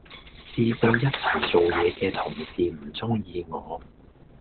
試過一齊做野既同事唔鐘意我